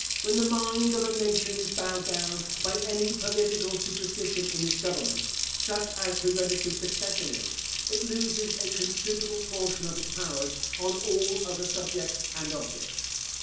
When the mind of a nation is bowed down by any political superstition in its government, such as hereditary succession is, it loses a considerable portion of its powers on all other subjects and objects.